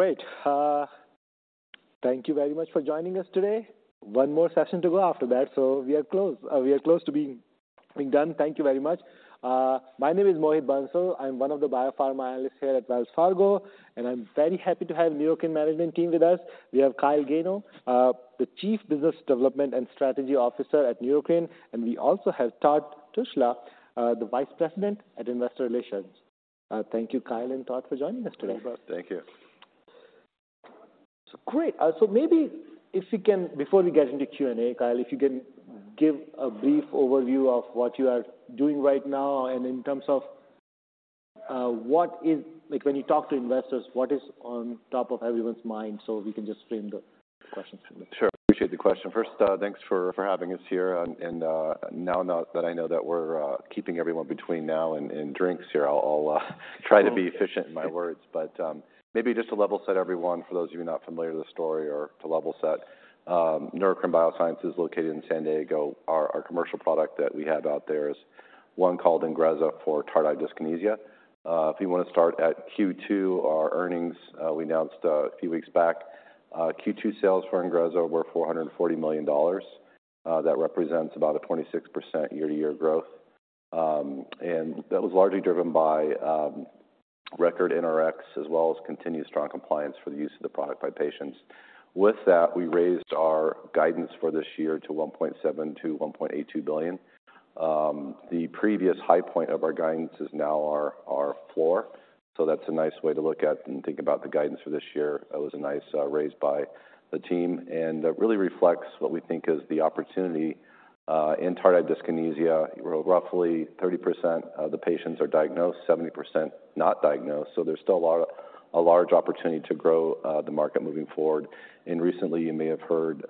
Great. Thank you very much for joining us today. One more session to go after that, so we are close, we are close to being, being done. Thank you very much. My name is Mohit Bansal. I'm one of the biopharma analysts here at Wells Fargo, and I'm very happy to have Neurocrine management team with us. We have Kyle Gano, the Chief Business Development and Strategy Officer at Neurocrine, and we also have Todd Tushla, the Vice President at Investor Relations. Thank you, Kyle and Todd, for joining us today. Thank you. Thank you. So great. So maybe if you can, before we get into Q&A, Kyle, if you can give a brief overview of what you are doing right now and in terms of, what is... Like, when you talk to investors, what is on top of everyone's mind, so we can just frame the questions? Sure. Appreciate the question. First, thanks for having us here and now that I know that we're keeping everyone between now and drinks here, I'll try to be efficient in my words. But maybe just to level set everyone, for those of you not familiar with the story or to level set, Neurocrine Biosciences, located in San Diego, our commercial product that we have out there is one called Ingrezza for Tardive Dyskinesia. If you want to start at Q2, our earnings, we announced a few weeks back, Q2 sales for Ingrezza were $440 million. That represents about a 26% year-to-year growth. And that was largely driven by record NRX, as well as continued strong compliance for the use of the product by patients. With that, we raised our guidance for this year to $1.72-$1.82 billion. The previous high point of our guidance is now our floor, so that's a nice way to look at and think about the guidance for this year. That was a nice raise by the team, and that really reflects what we think is the opportunity in tardive dyskinesia, where roughly 30% of the patients are diagnosed, 70% not diagnosed, so there's still a large opportunity to grow the market moving forward. And recently, you may have heard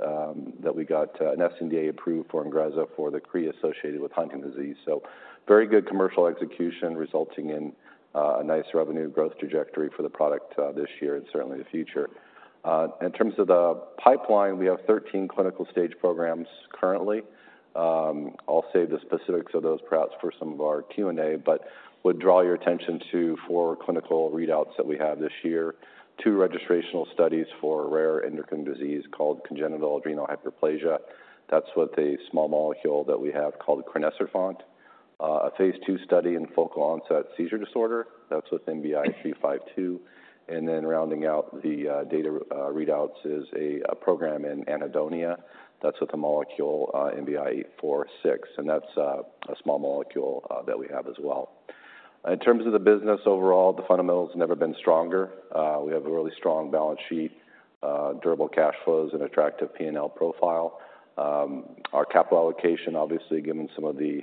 that we got an NDA approved for Ingrezza for the chorea associated with Huntington's disease. So very good commercial execution, resulting in a nice revenue growth trajectory for the product this year and certainly the future. In terms of the pipeline, we have 13 clinical stage programs currently. I'll save the specifics of those perhaps for some of our Q&A, but would draw your attention to 4 clinical readouts that we have this year. 2 registrational studies for a rare endocrine disease called congenital adrenal hyperplasia. That's with a small molecule that we have called Crinecerfont. A phase 2 study in focal onset seizure disorder, that's with NBI-921352. And then rounding out the data readouts is a program in anhedonia. That's with the molecule NBI-846, and that's a small molecule that we have as well. In terms of the business overall, the fundamentals have never been stronger. We have a really strong balance sheet, durable cash flows, and attractive P&L profile. Our capital allocation, obviously, given some of the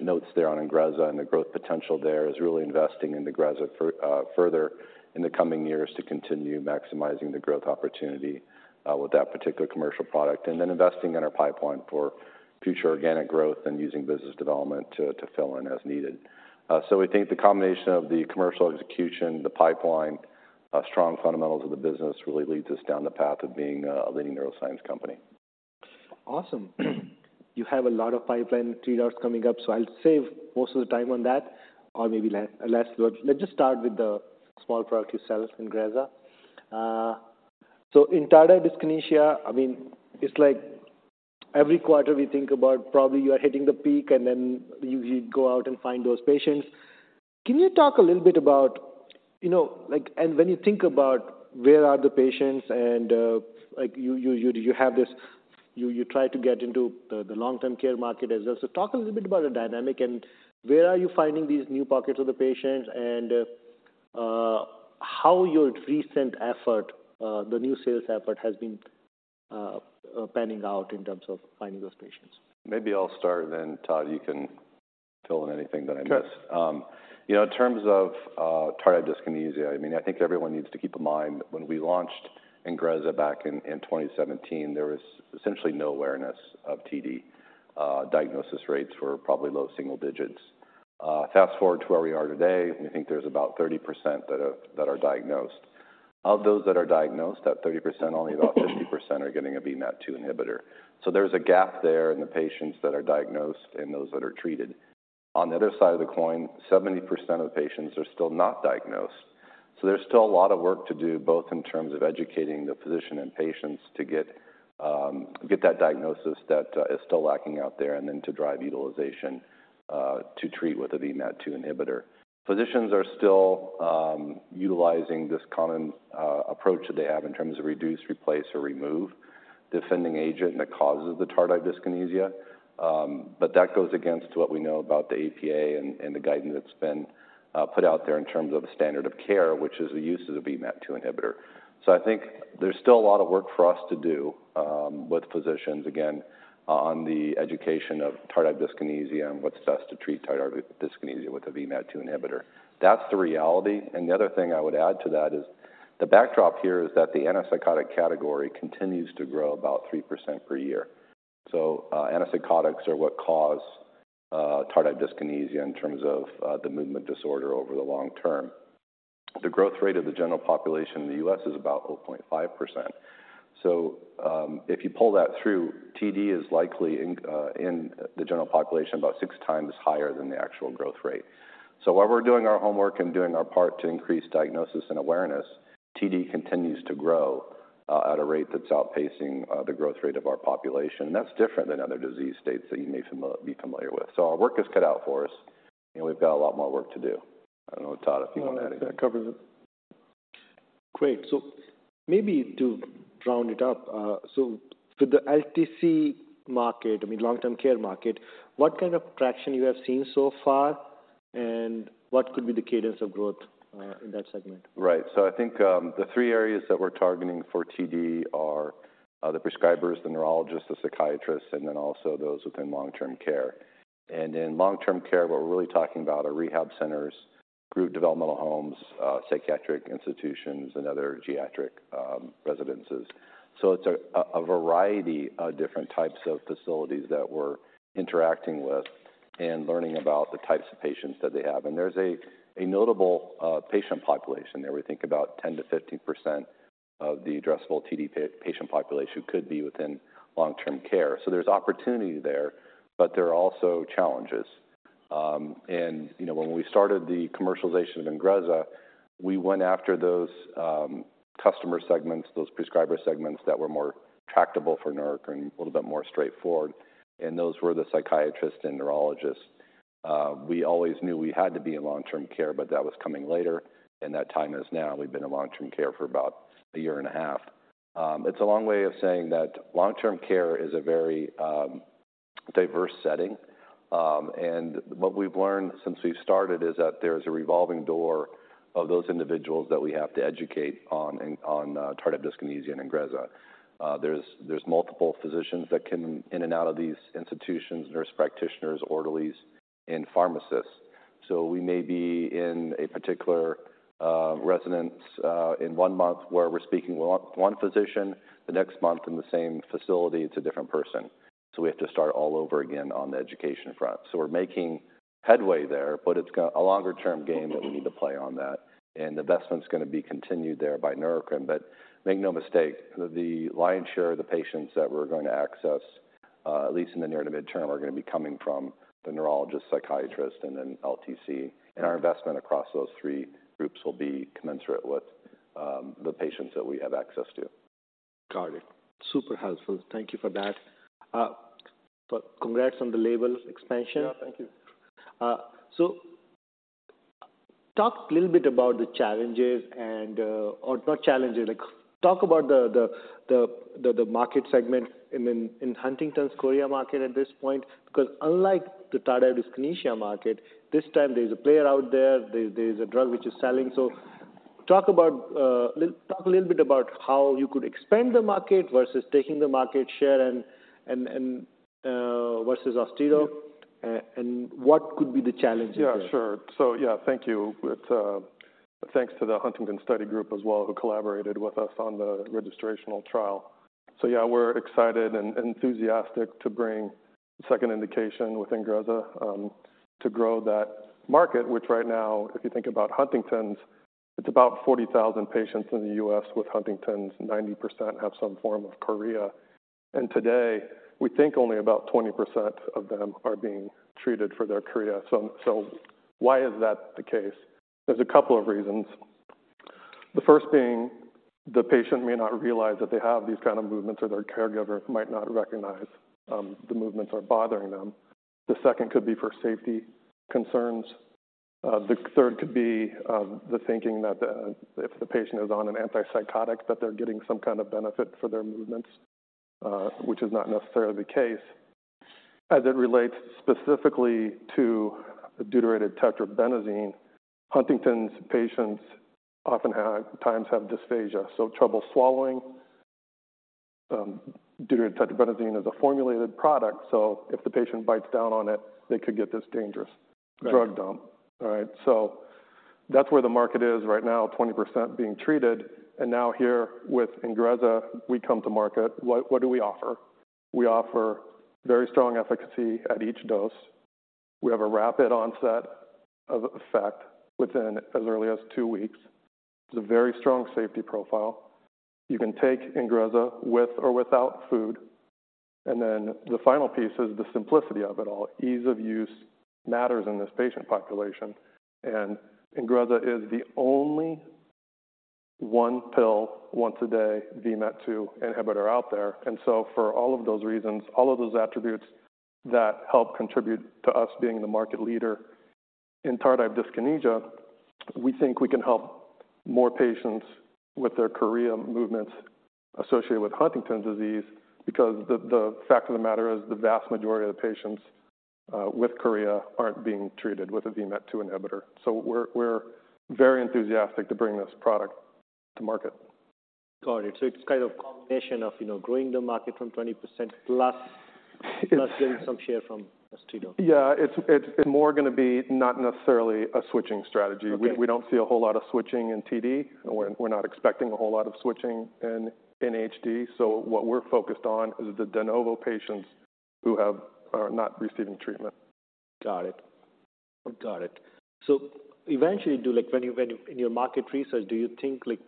notes there on Ingrezza and the growth potential there, is really investing in Ingrezza for further in the coming years to continue maximizing the growth opportunity with that particular commercial product. And then investing in our pipeline for future organic growth and using business development to fill in as needed. So we think the combination of the commercial execution, the pipeline, strong fundamentals of the business really leads us down the path of being a leading neuroscience company. Awesome. You have a lot of pipeline treaters coming up, so I'll save most of the time on that, or maybe less. Let's just start with the small product you sell, Ingrezza. So in tardive dyskinesia, I mean, it's like every quarter we think about, probably you are hitting the peak, and then you go out and find those patients. Can you talk a little bit about, you know... Like, and when you think about where are the patients and, like, you have this—you try to get into the long-term care market as well. So talk a little bit about the dynamic and where are you finding these new pockets of the patients, and how your recent effort, the new sales effort, has been panning out in terms of finding those patients? Maybe I'll start, and then, Todd, you can fill in anything that I missed. Sure. You know, in terms of tardive dyskinesia, I mean, I think everyone needs to keep in mind that when we launched Ingrezza back in 2017, there was essentially no awareness of TD. Diagnosis rates were probably low single digits. Fast-forward to where we are today, we think there's about 30% that are, that are diagnosed. Of those that are diagnosed, that 30%, only about 50% are getting a VMAT2 inhibitor. So there's a gap there in the patients that are diagnosed and those that are treated. On the other side of the coin, 70% of patients are still not diagnosed, so there's still a lot of work to do, both in terms of educating the physician and patients to get, get that diagnosis that is still lacking out there, and then to drive utilization, to treat with a VMAT2 inhibitor. Physicians are still, utilizing this common, approach that they have in terms of reduce, replace, or remove the offending agent that causes the Tardive Dyskinesia. But that goes against what we know about the APA and the guidance that's been, put out there in terms of the standard of care, which is the use of a VMAT2 inhibitor. So I think there's still a lot of work for us to do, with physicians, again, on the education of tardive dyskinesia and what's best to treat tardive dyskinesia with a VMAT2 inhibitor. That's the reality. And the other thing I would add to that is, the backdrop here is that the antipsychotic category continues to grow about 3% per year. So, antipsychotics are what cause, tardive dyskinesia in terms of, the movement disorder over the long term. The growth rate of the U.S. is about 0.5%. So, if you pull that through, TD is likely in the general population, about six times higher than the actual growth rate. So while we're doing our homework and doing our part to increase diagnosis and awareness, TD continues to grow at a rate that's outpacing the growth rate of our population. That's different than other disease states that you may be familiar with. So our work is cut out for us, and we've got a lot more work to do. I don't know, Todd, if you want to add anything. No, that covers it. Great. So maybe to round it up, so for the LTC market, I mean long-term care market, what kind of traction you have seen so far, and what could be the cadence of growth in that segment? Right. So I think, the three areas that we're targeting for TD are, the prescribers, the neurologists, the psychiatrists, and then also those within long-term care. And in long-term care, what we're really talking about are rehab centers, group developmental homes, psychiatric institutions, and other geriatric, residences. So it's a variety of different types of facilities that we're interacting with and learning about the types of patients that they have. And there's a notable patient population there. We think about 10%-15% of the addressable TD patient population could be within long-term care. So there's opportunity there, but there are also challenges. And, you know, when we started the commercialization of Ingrezza, we went after those, customer segments, those prescriber segments that were more tractable for Neurocrine, a little bit more straightforward, and those were the psychiatrists and neurologists. We always knew we had to be in long-term care, but that was coming later, and that time is now. We've been in long-term care for about a year and a half. It's a long way of saying that long-term care is a very, diverse setting, and what we've learned since we've started is that there's a revolving door of those individuals that we have to educate on tardive dyskinesia and Ingrezza. There's multiple physicians that come in and out of these institutions, nurse practitioners, orderlies, and pharmacists. So we may be in a particular residence in one month where we're speaking with one physician, the next month in the same facility, it's a different person. So we have to start all over again on the education front. So we're making headway there, but it's a longer-term game that we need to play on that, and investment's gonna be continued there by Neurocrine. But make no mistake, the lion's share of the patients that we're going to access, at least in the near to mid-term, are going to be coming from the neurologist, psychiatrist, and then LTC. And our investment across those three groups will be commensurate with the patients that we have access to. Got it. Super helpful. Thank you for that. But congrats on the label expansion. Yeah, thank you, So talk a little bit about the challenges and, or not challenges. Like, talk about the market segment in Huntington's Chorea market at this point. Because unlike the tardive dyskinesia market, this time, there's a player out there, there's a drug which is selling. So talk a little bit about how you could expand the market versus taking the market share and, versus Austedo- Yeah.... and what could be the challenges there? Yeah, sure. So yeah, thank you. It's thanks to the Huntington Study Group as well, who collaborated with us on the registrational trial. So yeah, we're excited and enthusiastic to bring second indication with Ingrezza to grow that market, which right now, if you think about Huntington's, it's about 40,000 patients in the U.S. with Huntington's, 90% have some form of Chorea. And today, we think only about 20% of them are being treated for their Chorea. So why is that the case? There's a couple of reasons. The first being the patient may not realize that they have these kind of movements, or their caregiver might not recognize the movements are bothering them. The second could be for safety concerns. The third could be the thinking that if the patient is on an antipsychotic, that they're getting some kind of benefit for their movements, which is not necessarily the case. As it relates specifically to the deuterated tetrabenazine, Huntington's patients often have dysphagia, so trouble swallowing. Deuterated tetrabenazine is a formulated product, so if the patient bites down on it, they could get this dangerous- Right.... drug dump. All right, so that's where the market is right now, 20% being treated, and now here with Ingrezza, we come to market. What, what do we offer? We offer very strong efficacy at each dose. We have a rapid onset of effect within as early as two weeks. It's a very strong safety profile. You can take Ingrezza with or without food. And then the final piece is the simplicity of it all. Ease of use matters in this patient population, and Ingrezza is the only one pill, once a day, VMAT2 inhibitor out there. For all of those reasons, all of those attributes that help contribute to us being the market leader in tardive dyskinesia, we think we can help more patients with their Chorea movements associated with Huntington's disease because the fact of the matter is, the vast majority of the patients with Chorea aren't being treated with a VMAT2 inhibitor. We're very enthusiastic to bring this product to market. Got it. So it's kind of a combination of, you know, growing the market from 20%, plus getting some share from Austedo. Yeah, it's more gonna be not necessarily a switching strategy. Okay. We don't see a whole lot of switching in TD, and we're not expecting a whole lot of switching in HD. So what we're focused on is the de novo patients who have... are not receiving treatment. Got it. Got it. So eventually, like, when in your market research, do you think, like,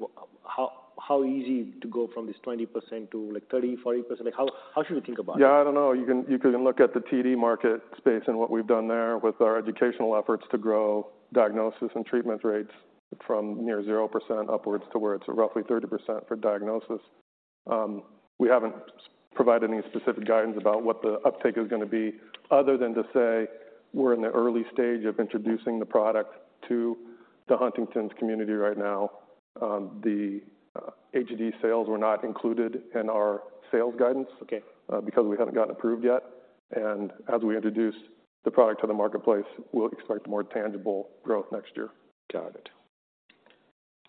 how easy to go from this 20% to, like, 30, 40%? Like, how should we think about it? Yeah, I don't know. You can, you can look at the TD market space and what we've done there with our educational efforts to grow diagnosis and treatment rates from near 0% upwards to where it's roughly 30% for diagnosis. We haven't provided any specific guidance about what the uptake is gonna be, other than to say we're in the early stage of introducing the product to the Huntington's community right now. The HD sales were not included in our sales guidance. Okay. Because we haven't gotten approved yet. As we introduce the product to the marketplace, we'll expect more tangible growth next year. Got it.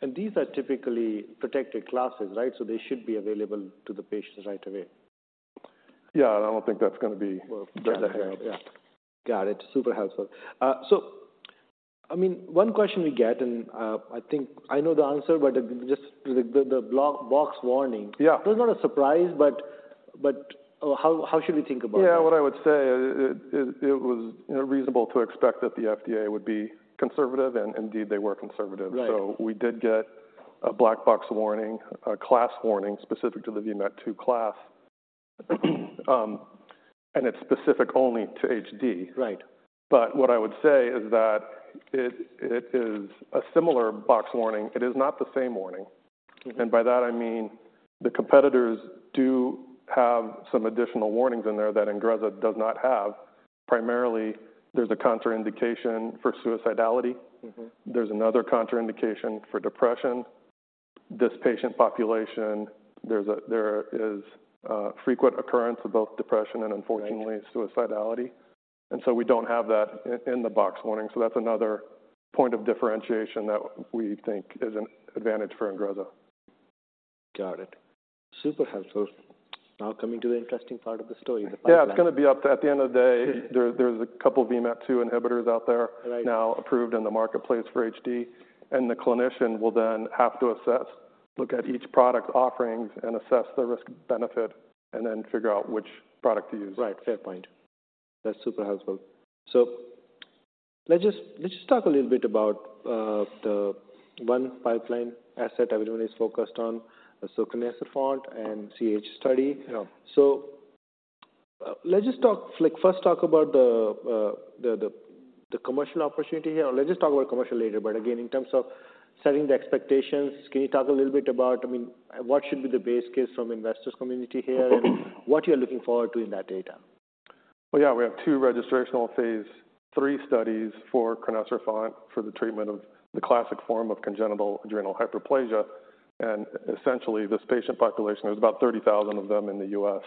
And these are typically protected classes, right? So they should be available to the patients right away. Yeah, I don't think that's gonna be- Well, yeah. Got it. Super helpful. So, I mean, one question we get, and I think I know the answer, but just the black-box warning. Yeah. It was not a surprise, but how should we think about it? Yeah. What I would say is, it was, you know, reasonable to expect that the FDA would be conservative, and indeed, they were conservative. Right. So we did get a black box warning, a class warning specific to the VMAT2 class. And it's specific only to HD. Right. But what I would say is that it is a similar box warning. It is not the same warning. Mm-hmm. By that, I mean, the competitors do have some additional warnings in there that Ingrezza does not have. Primarily, there's a contraindication for suicidality. Mm-hmm. There's another contraindication for depression. This patient population, there is a frequent occurrence of both depression and, unfortunately- Right... suicidality, and so we don't have that in the box warning. So that's another point of differentiation that we think is an advantage for Ingrezza. Got it. Super helpful. Now, coming to the interesting part of the story, the pipeline. Yeah, it's gonna be up... At the end of the day- Mm there, there's a couple VMAT2 inhibitors out there. Right Now approved in the marketplace for HD, and the clinician will then have to assess, look at each product offerings and assess the risk-benefit, and then figure out which product to use. Right. Fair point. That's super helpful. So let's just, let's just talk a little bit about the one pipeline asset everyone is focused on, so Crinecerfont and CAH study. Yeah. So, let's just talk, like, first, talk about the commercial opportunity here, or let's just talk about commercial later. But again, in terms of setting the expectations, can you talk a little bit about, I mean, what should be the base case from investors' community here, and what you're looking forward to in that data? Well, yeah, we have two registrational phase three studies for Crinecerfont for the treatment of the classic form of congenital adrenal hyperplasia. Essentially, this patient population, there's about 30,000 of them in the U.S.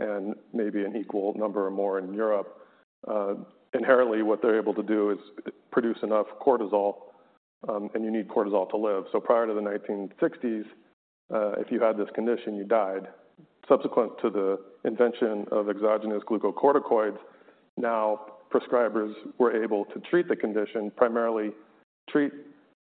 and maybe an equal number or more in Europe. Inherently, what they're able to do is produce enough cortisol, and you need cortisol to live. So prior to the 1960s, if you had this condition, you died. Subsequent to the invention of exogenous glucocorticoids, now prescribers were able to treat the condition, primarily treat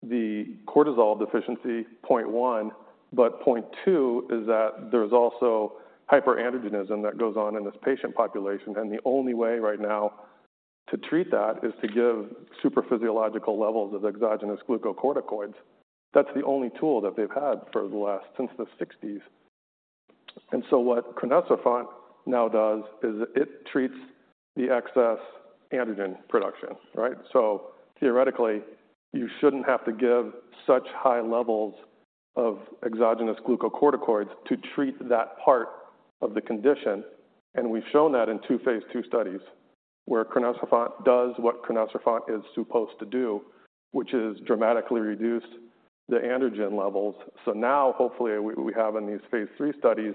the cortisol deficiency, point one. But point two is that there's also hyperandrogenism that goes on in this patient population, and the only way right now to treat that is to give super physiological levels of exogenous glucocorticoids. That's the only tool that they've had for the last... since the 1960s. And so what Crinecerfont now does is it treats the excess androgen production, right? So theoretically, you shouldn't have to give such high levels of exogenous glucocorticoids to treat that part of the condition. And we've shown that in two phase 2 studies, where Crinecerfont does what Crinecerfont is supposed to do, which is dramatically reduce the androgen levels. So now, hopefully, what we have in these phase 3 studies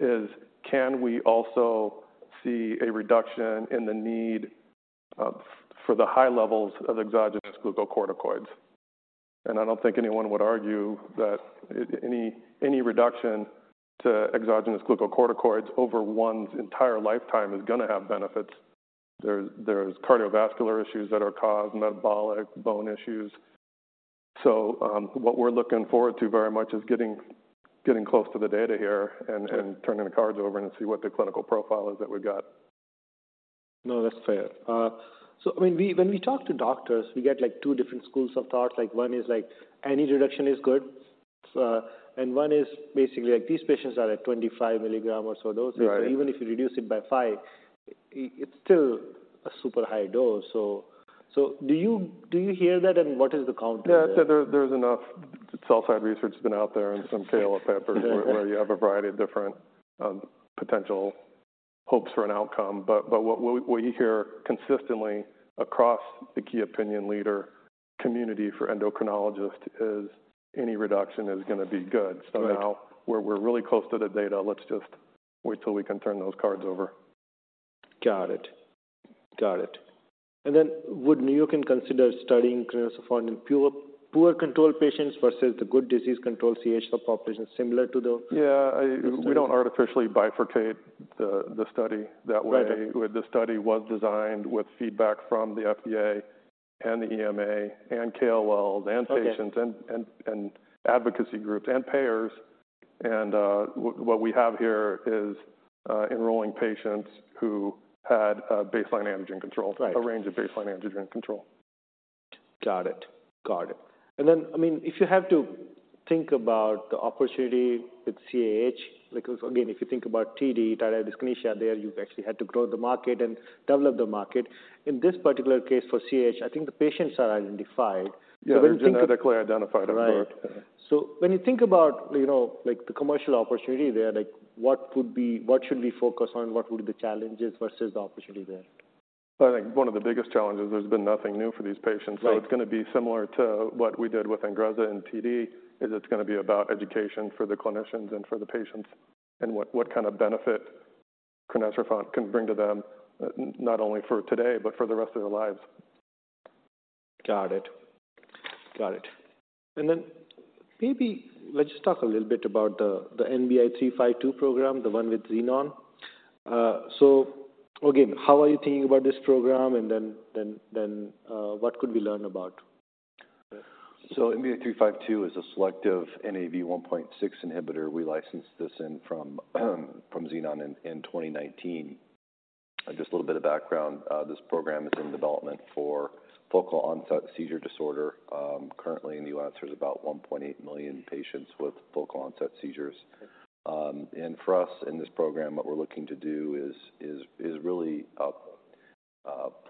is, can we also see a reduction in the need for the high levels of exogenous glucocorticoids? And I don't think anyone would argue that any reduction to exogenous glucocorticoids over one's entire lifetime is gonna have benefits. There are cardiovascular issues that are caused, metabolic bone issues. So, what we're looking forward to very much is getting close to the data here and turning the cards over and see what the clinical profile is that we've got. No, that's fair. So I mean, we, when we talk to doctors, we get, like, two different schools of thought. Like, one is like, any reduction is good, and one is basically like, these patients are at 25 milligram or so doses. Right. Even if you reduce it by 5, it's still a super high dose. So do you hear that, and what is the counter to that? Yeah. So there's enough sell-side research that's been out there and some KOL papers where you have a variety of different potential hopes for an outcome. But what we hear consistently across the key opinion leader community for endocrinologists is any reduction is gonna be good. Right. So now we're really close to the data. Let's just wait till we can turn those cards over. Got it. Got it. And then would Neurocrine consider studying Crinecerfont in poorly controlled patients versus the good disease control CAH population similar to the- Yeah, I- -the study... We don't artificially bifurcate the study that way. Right. The study was designed with feedback from the FDA and the EMA and KOLs and patients. Okay... and advocacy groups and payers.... what we have here is enrolling patients who had a baseline androgen control. Right. A range of baseline androgen control. Got it. Got it. And then, I mean, if you have to think about the opportunity with CAH, because again, if you think about TD, tardive dyskinesia, there you've actually had to grow the market and develop the market. In this particular case, for CAH, I think the patients are identified. Yeah, genetically identified. Right. So when you think about, you know, like, the commercial opportunity there, like what would be - what should we focus on? What would be the challenges versus the opportunity there? I think one of the biggest challenges, there's been nothing new for these patients. Right. So it's going to be similar to what we did with Ingrezza and TD; it's going to be about education for the clinicians and for the patients and what, what kind of benefit Crinecerfont can bring to them, not only for today, but for the rest of their lives. Got it. Got it. And then maybe let's just talk a little bit about the NBI-352 program, the one with Xenon. So again, how are you thinking about this program? And then what could we learn about? NBI-352 is a selective NaV1.6 inhibitor. We licensed this from Xenon in 2019. Just a little bit of background. This program is in development for focal onset seizure disorder. Currently in the U.S., there's about 1.8 million patients with focal onset seizures. And for us in this program, what we're looking to do is really a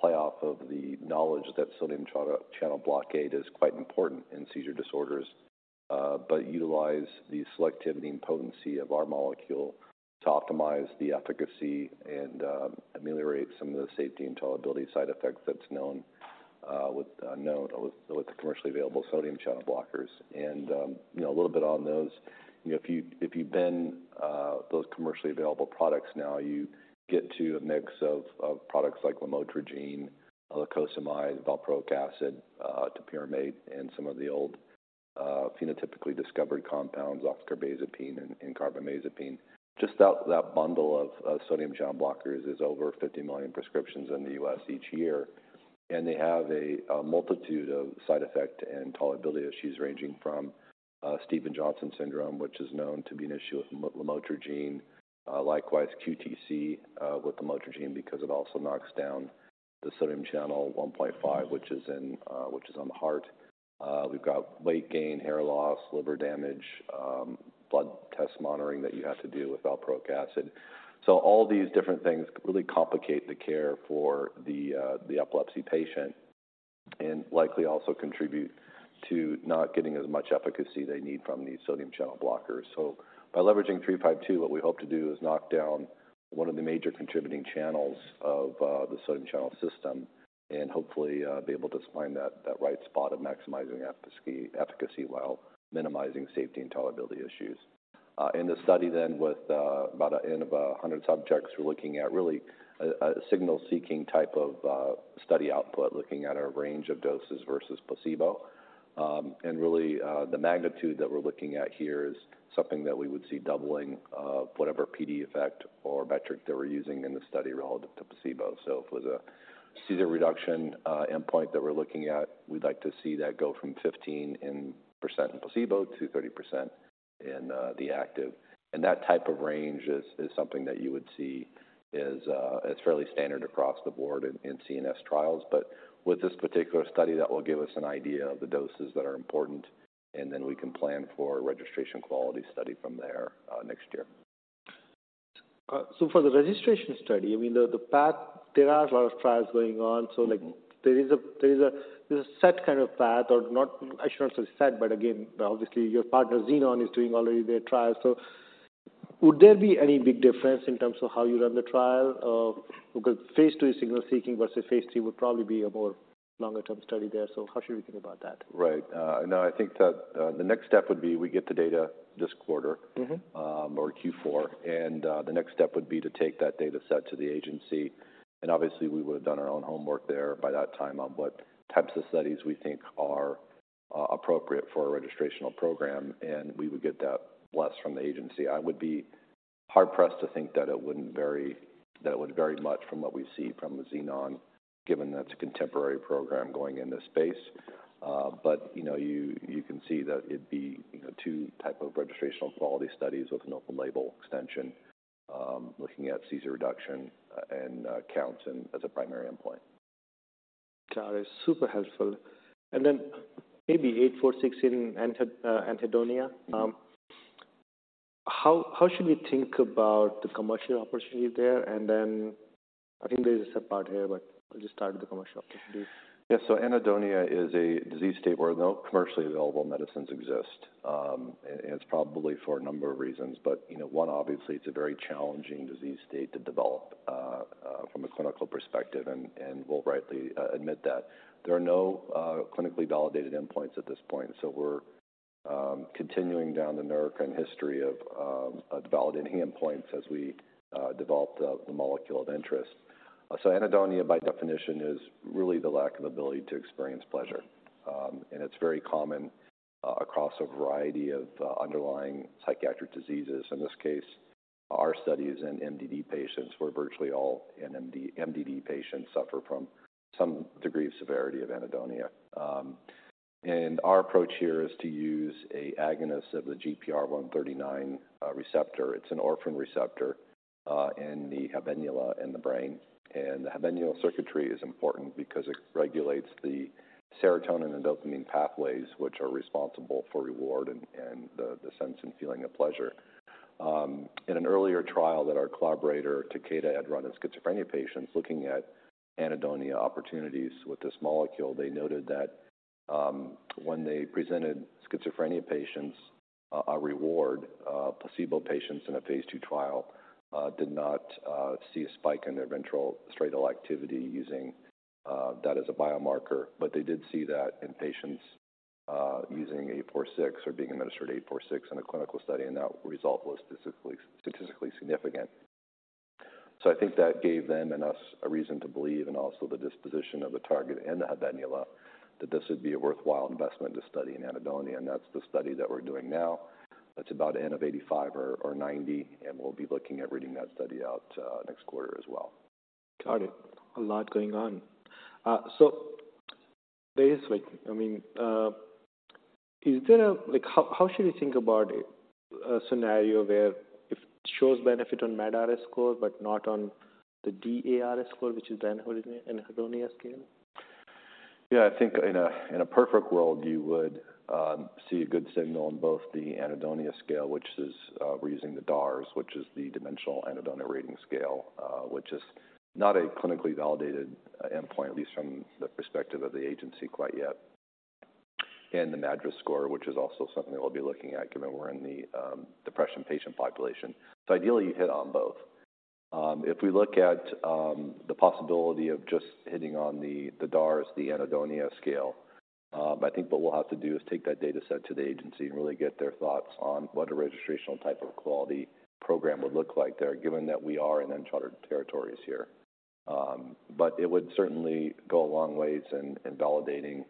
play off of the knowledge that sodium channel blockade is quite important in seizure disorders. But utilize the selectivity and potency of our molecule to optimize the efficacy and ameliorate some of the safety and tolerability side effects that's known with the commercially available sodium channel blockers. And you know, a little bit on those. You know, if you, if you bend those commercially available products now, you get to a mix of, of products like Lamotrigine, Lacosamide, Valproic acid, Topiramate, and some of the old, phenotypically discovered compounds, Oxcarbazepine and Carbamazepine. Just that, that bundle of, of sodium channel blockers is over 50 million prescriptions in the U.S. each year, and they have a, a multitude of side effect and tolerability issues ranging from, Stevens-Johnson syndrome, which is known to be an issue with Lamotrigine. Likewise QTc with Lamotrigine because it also knocks down the sodium channel 1.5, which is in, which is on the heart. We've got weight gain, hair loss, liver damage, blood test monitoring that you have to do with Valproic acid. So all these different things really complicate the care for the, the epilepsy patient and likely also contribute to not getting as much efficacy they need from these sodium channel blockers. So by leveraging 352, what we hope to do is knock down one of the major contributing channels of, the sodium channel system and hopefully, be able to find that, that right spot of maximizing efficacy, efficacy while minimizing safety and tolerability issues. In the study then, with, about n of 100 subjects, we're looking at really a, a signal-seeking type of, study output, looking at a range of doses versus placebo. And really, the magnitude that we're looking at here is something that we would see doubling, whatever PD effect or metric that we're using in the study relative to placebo. So if it was a seizure reduction endpoint that we're looking at, we'd like to see that go from 15% in placebo to 30% in the active. And that type of range is something that you would see; it's fairly standard across the board in CNS trials. But with this particular study, that will give us an idea of the doses that are important, and then we can plan for a registration quality study from there next year. So for the registration study, I mean, the path, there are a lot of trials going on. Mm-hmm. So, like, there is a set kind of path or not. I shouldn't say set, but again, obviously, your partner, Xenon, is doing already their trials. So would there be any big difference in terms of how you run the trial? Because phase 2 is signal seeking, versus phase 3 would probably be a more longer-term study there. So how should we think about that? Right. No, I think that the next step would be we get the data this quarter. Mm-hmm.... or Q4, and the next step would be to take that data set to the agency. And obviously, we would have done our own homework there by that time on what types of studies we think are appropriate for a registrational program, and we would get that blessing from the agency. I would be hard-pressed to think that it wouldn't vary, that it would vary much from what we see from Xenon, given that it's a contemporary program going in this space. But you know, you can see that it'd be, you know, two types of registrational quality studies with an open label extension, looking at seizure reduction and counts as a primary endpoint. Got it. Super helpful. And then maybe NBI-846 in anhedonia. Mm-hmm. How should we think about the commercial opportunity there? And then I think there is a set part here, but I'll just start with the commercial opportunity. Yeah. Anhedonia is a disease state where no commercially available medicines exist. It's probably for a number of reasons, but, you know, one, obviously, it's a very challenging disease state to develop from a clinical perspective, and we'll rightly admit that. There are no clinically validated endpoints at this point. We're continuing down the Neurocrine history of validating endpoints as we develop the molecule of interest. Anhedonia, by definition, is really the lack of ability to experience pleasure. It's very common across a variety of underlying psychiatric diseases. In this case, our studies in MDD patients, where virtually all MDD patients suffer from some degree of severity of anhedonia. Our approach here is to use an agonist of the GPR139 receptor. It's an orphan receptor in the habenula in the brain. The habenula circuitry is important because it regulates the serotonin and dopamine pathways, which are responsible for reward and the sense and feeling of pleasure. In an earlier trial that our collaborator, Takeda, had run in schizophrenia patients looking at anhedonia opportunities with this molecule, they noted that when they presented schizophrenia patients a reward, placebo patients in a phase 2 trial did not see a spike in their ventral striatal activity using that as a biomarker. But they did see that in patients using NBI-846 or being administered NBI-846 in a clinical study, and that result was statistically significant. I think that gave them and us a reason to believe, and also the disposition of the target and the habenula, that this would be a worthwhile investment to study in anhedonia, and that's the study that we're doing now. It's about N of 85 or, or 90, and we'll be looking at reading that study out, next quarter as well. Got it. A lot going on. So there is like, I mean, is there a... Like, how should we think about a scenario where if it shows benefit on MADRS score but not on the DARS score, which is the anhedonia scale? Yeah, I think in a perfect world, you would see a good signal on both the anhedonia scale, which is, we're using the DARS, which is the Dimensional Anhedonia Rating Scale. Which is not a clinically validated endpoint, at least from the perspective of the agency quite yet. And the MADRS score, which is also something that we'll be looking at, given we're in the depression patient population. So ideally, you hit on both. If we look at the possibility of just hitting on the DARS, the anhedonia scale, I think what we'll have to do is take that data set to the agency and really get their thoughts on what a registrational type of quality program would look like there, given that we are in uncharted territories here. But it would certainly go a long ways in validating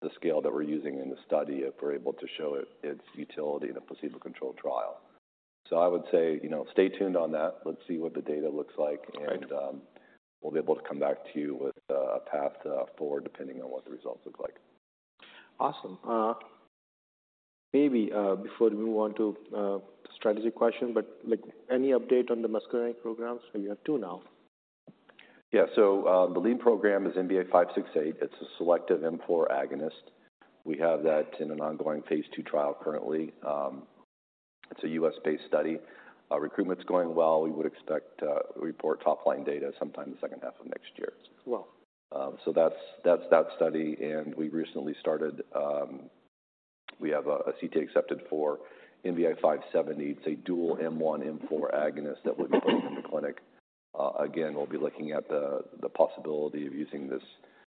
the scale that we're using in the study if we're able to show its utility in a placebo-controlled trial. So I would say, you know, stay tuned on that. Let's see what the data looks like- Right. - and, we'll be able to come back to you with a path forward, depending on what the results look like. Awesome. Maybe, before we move on to strategy question, but, like, any update on the muscarinic programs? So you have two now. Yeah. The lead program is NBI-568. It's a selective M4 agonist. We have that in an ongoing phase 2 trial currently. It's a U.S.-based study. Recruitment's going well. We would expect to report top-line data sometime in the second half of next year. Well. So that's, that's that study. And we recently started, we have a CT accepted for MVI 57. It's a dual M1, M4 agonist that we've brought in the clinic. Again, we'll be looking at the possibility of using this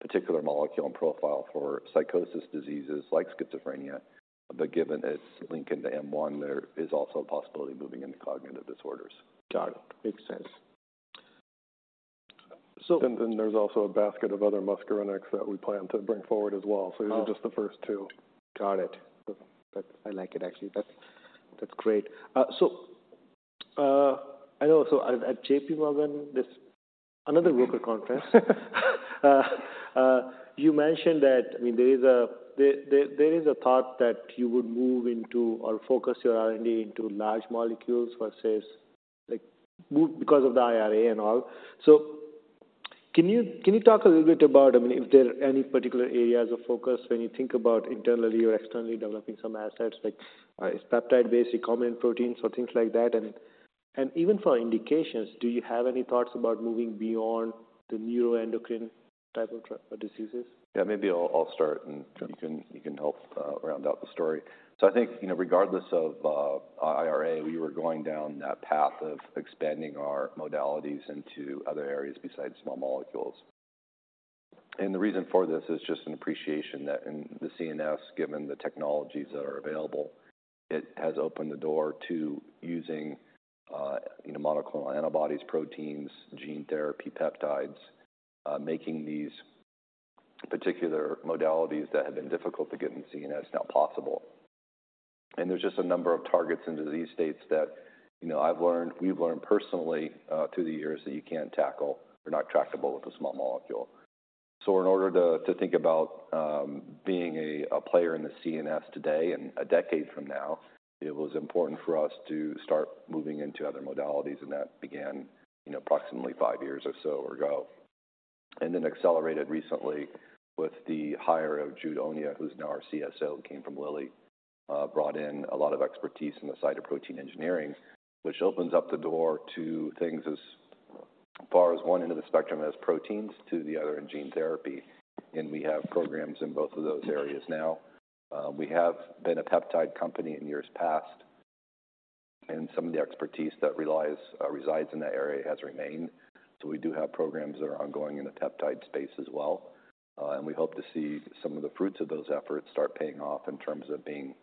particular molecule and profile for psychosis diseases like schizophrenia. But given its link into M1, there is also a possibility of moving into cognitive disorders. Got it. Makes sense. So- And then there's also a basket of other muscarinic that we plan to bring forward as well. Oh. These are just the first two. Got it. But I like it actually. That's great. So at J.P. Morgan, this is another virtual conference. You mentioned that, I mean, there is a thought that you would move into or focus your R&D into large molecules versus, like, move because of the IRA and all. So can you talk a little bit about, I mean, if there are any particular areas of focus when you think about internally or externally developing some assets like peptide-based, recombinant proteins or things like that? And even for indications, do you have any thoughts about moving beyond the neuroendocrine type of diseases? Yeah, maybe I'll start, and- Sure. You can help round out the story. So I think, you know, regardless of IRA, we were going down that path of expanding our modalities into other areas besides small molecules. And the reason for this is just an appreciation that in the CNS, given the technologies that are available, it has opened the door to using, you know, monoclonal antibodies, proteins, gene therapy, peptides. Making these particular modalities that have been difficult to get in CNS now possible. And there's just a number of targets and disease states that, you know, I've learned, we've learned personally through the years, that you can't tackle or not tractable with a small molecule. So in order to think about being a player in the CNS today and a decade from now, it was important for us to start moving into other modalities, and that began, you know, approximately 5 years or so ago. And then accelerated recently with the hire of Jude Onyia, who's now our CSO, came from Lilly, brought in a lot of expertise in the side of protein engineering, which opens up the door to things as far as one end of the spectrum as proteins to the other in gene therapy. And we have programs in both of those areas now. We have been a peptide company in years past, and some of the expertise that resides in that area has remained. So we do have programs that are ongoing in the peptide space as well. And we hope to see some of the fruits of those efforts start paying off in terms of being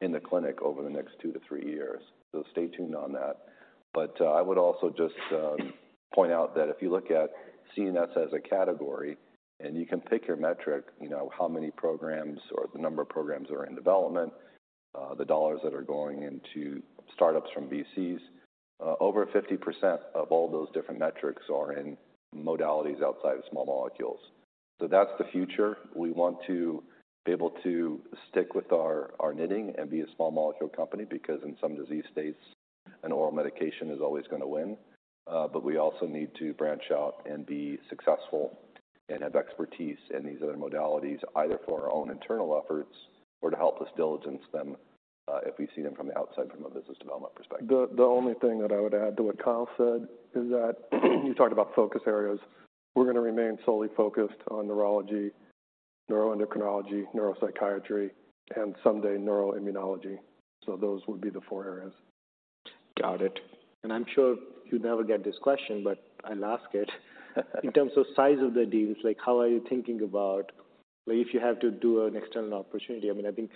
in the clinic over the next 2-3 years. So stay tuned on that. But I would also just point out that if you look at CNS as a category, and you can pick your metric, you know, how many programs or the number of programs that are in development, the dollars that are going into startups from VCs. Over 50% of all those different metrics are in modalities outside of small molecules. So that's the future. We want to be able to stick with our knitting and be a small molecule company, because in some disease states, an oral medication is always going to win. But we also need to branch out and be successful and have expertise in these other modalities, either for our own internal efforts or to help us diligence them, if we see them from the outside from a business development perspective. The only thing that I would add to what Kyle said is that you talked about focus areas. We're going to remain solely focused on neurology, neuroendocrinology, neuropsychiatry, and someday neuroimmunology. So those would be the four areas. Got it. And I'm sure you never get this question, but I'll ask it. In terms of size of the deals, like, how are you thinking about, like, if you have to do an external opportunity? I mean, I think,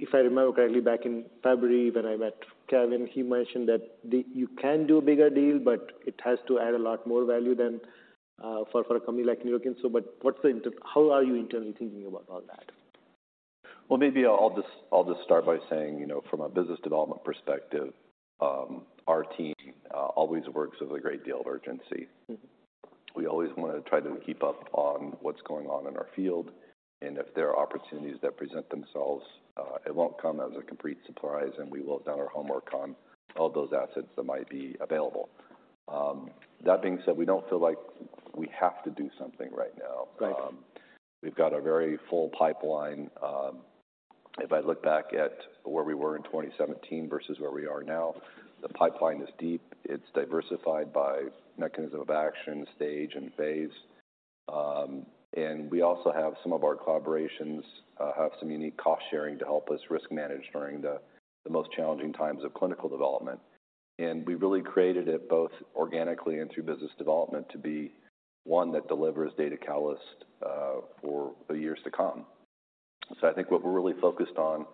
if I remember correctly, back in February, when I met Kevin, he mentioned that you can do a bigger deal, but it has to add a lot more value than for a company like Neurocrine. So, but how are you internally thinking about all that? Well, maybe I'll just start by saying, you know, from a business development perspective, our team always works with a great deal of urgency. Mm-hmm. We always want to try to keep up on what's going on in our field, and if there are opportunities that present themselves, it won't come as a complete surprise, and we will have done our homework on all those assets that might be available. That being said, we don't feel like we have to do something right now. Right. We've got a very full pipeline. If I look back at where we were in 2017 versus where we are now, the pipeline is deep. It's diversified by mechanism of action, stage, and phase. And we also have some of our collaborations have some unique cost-sharing to help us risk manage during the most challenging times of clinical development. And we really created it both organically and through business development, to be one that delivers data catalyst for the years to come. So I think what we're really focused on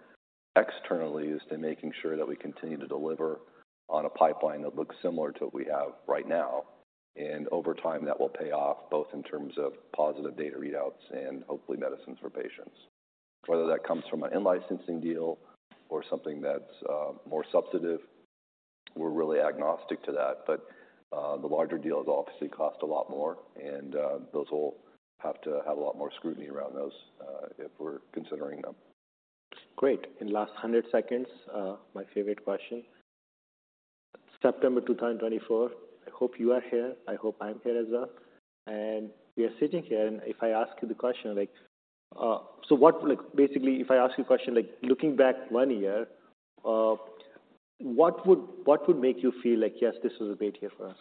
externally is to making sure that we continue to deliver on a pipeline that looks similar to what we have right now. And over time, that will pay off, both in terms of positive data readouts and hopefully, medicines for patients. Whether that comes from an in-licensing deal or something that's more substantive, we're really agnostic to that, but the larger deals obviously cost a lot more, and those will have to have a lot more scrutiny around us, if we're considering them. Great. In the last 100 seconds, my favorite question. September 2024, I hope you are here. I hope I'm here as well. And we are sitting here, and if I ask you the question, like... Like, basically, if I ask you a question like: looking back 1 year, what would, what would make you feel like, "Yes, this was a great year for us?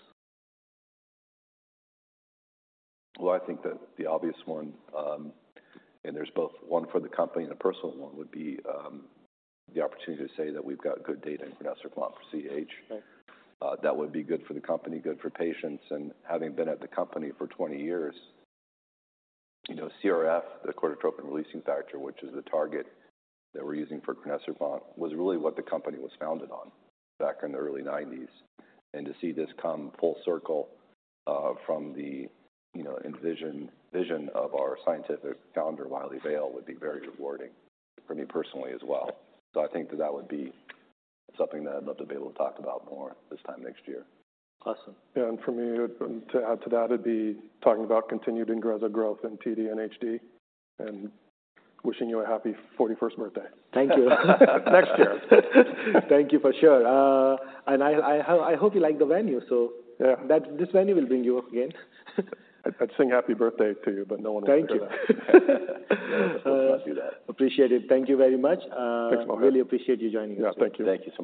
Well, I think that the obvious one, and there's both one for the company and a personal one, would be the opportunity to say that we've got good data in crinecerfont for CAH. Right. That would be good for the company, good for patients. And having been at the company for 20 years, you know, CRF, the corticotropin-releasing factor, which is the target that we're using for Crinecerfont, was really what the company was founded on back in the early 1990s. And to see this come full circle, from the, you know, vision of our scientific founder, Wylie Vale, would be very rewarding for me personally as well. So I think that that would be something that I'd love to be able to talk about more this time next year. Awesome. Yeah, and for me, to add to that, it'd be talking about continued Ingrezza growth in TD and HD, and wishing you a happy 41st birthday. Thank you. Next year. Thank you, for sure. And I hope you like the venue, so- Yeah... that this venue will bring you again. I'd sing Happy Birthday to you, but no one will do that. Thank you. Let's not do that. Appreciate it. Thank you very much. Thanks for coming. Really appreciate you joining us. Yeah. Thank you. Thank you so much.